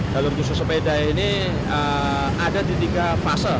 jalur khusus sepeda ini ada di tiga fase